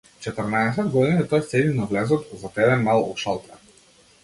Четрнаесет години тој седи на влезот, зад еден мал шалтер.